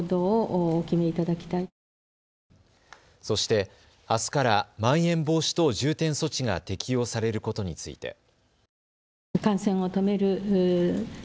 そして、あすからまん延防止等重点措置が適用されることについて。